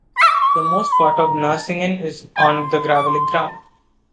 The most part of Nersingen is on the gravellic ground.